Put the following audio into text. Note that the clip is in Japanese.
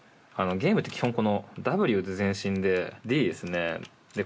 ゲームって基本この「Ｗ」で前進で「Ｄ」ですねで